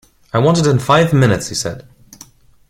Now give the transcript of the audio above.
“I want it in five minutes,” he said.